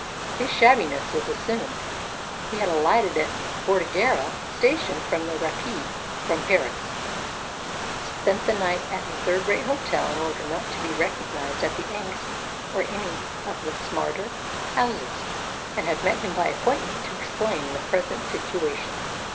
His shabbiness was assumed. He had alighted at Bordighera station from the rapide from Paris, spent the night at a third rate hotel in order not to be recognised at the Angst or any of the smarter houses, and had met him by appointment to explain the present situation.